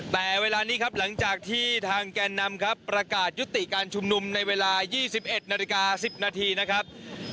แต่เวลานี้ครับหลังจากที่ทางแกนนำครับประกาศยุติการชุมนุมในเวลา๒๑นาฬิกา๑๐นาทีนะครับ